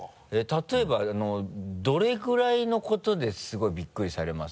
例えばどれぐらいのことですごいビックリされます？